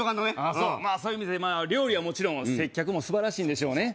そうそういう店料理はもちろん接客も素晴らしいんでしょうね